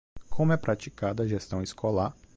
Como é praticada a gestão escolar